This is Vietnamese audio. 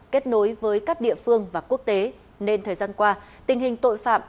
kết nối với các địa phương và quốc tế nên thời gian qua tình hình tội phạm